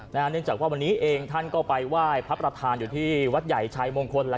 เนื่องจากว่าวันนี้เองท่านก็ไปไหว้พระประธานอยู่ที่วัดใหญ่ชัยมงคล